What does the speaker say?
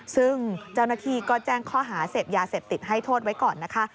ซึ่งเจ้าหน้าที่ก็แจ้งข้อหาเสพยาเสพติดให้โทษไว้ก่อนนะคะ